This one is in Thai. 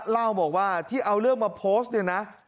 เล่าบอกว่าที่เอาเรื่องมาโพสต์เนี่ยนะ